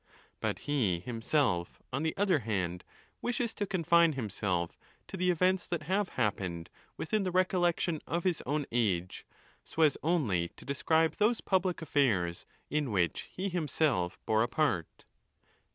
But he himself, on the other hand, wishes to confine himself to the events that have hap 'pened within the recollection of his own age, so as only to describe those public affairs in which he himself bore a part.